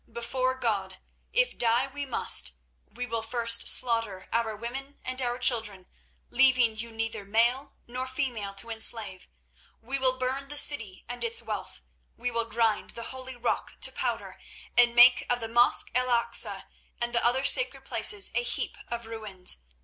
Before God, if die we must, we will first slaughter our women and our little children, leaving you neither male nor female to enslave. We will burn the city and its wealth; we will grind the holy Rock to powder and make of the mosque el Aksa, and the other sacred places, a heap of ruins.